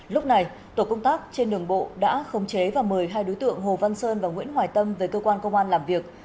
lúc này tổ công tác trên đường bộ đã khống chế và mời hai đối tượng hồ văn sơn và nguyễn hoài tâm về cơ quan công an làm việc